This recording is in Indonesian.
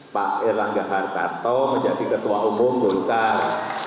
pak erlangga hartarto menjadi ketua umum golkar